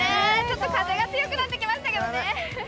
風が強くなってきましたけどね。